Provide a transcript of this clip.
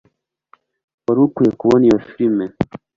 Wari ukwiye kubona iyo firime